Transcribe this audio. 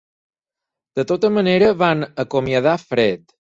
De tota manera, van acomiadar Fred.